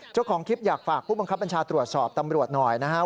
เจ้าของคลิปอยากฝากผู้บังคับบัญชาตรวจสอบตำรวจหน่อยนะครับ